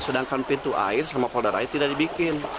sedangkan pintu air sama polder air tidak dibikin